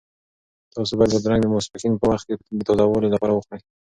تاسو باید بادرنګ د ماسپښین په وخت کې د تازه والي لپاره وخورئ.